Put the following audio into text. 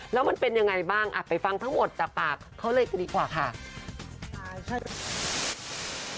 แล้วมันเป็นยังไงบ้างไปฟังทั้งหมดจากปากเขาเลยดีกว่าค่ะ